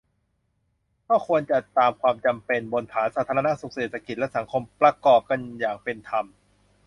ก็ควรจัดตามความจำเป็น บนฐานสาธารณสุข เศรษฐกิจ และสังคม ประกอบกันอย่างเป็นธรรม